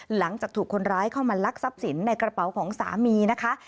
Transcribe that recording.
หลังจากถูกคนร้ายเข้ามาลักทรัพย์สินในกระเป๋าของสามีนะคะ